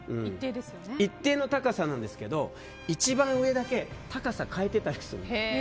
一定の高さなんですけど一番上だけ高さを変えてたりする。